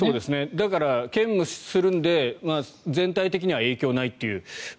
だから、兼務するので全体的には影響ないという。